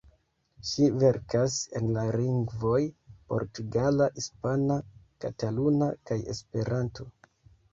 Ŝi verkas en la lingvoj portugala, hispana, kataluna kaj Esperanto.